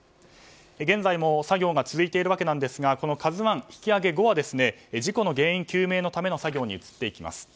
現在も作業が続いていますがこの「ＫＡＺＵ１」引き揚げ後は事故の原因究明のための作業に移っていきます。